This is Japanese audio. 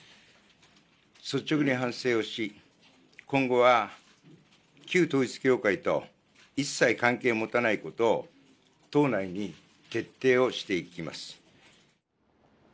率直に反省をし今後は旧統一教会と一切関係を持たないことを党内に徹底をしていきます。